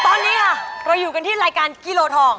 ตอนนี้ค่ะเราอยู่กันที่รายการกิโลทอง